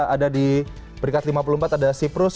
ada di peringkat lima puluh empat ada siprus